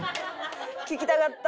「聞きたかった」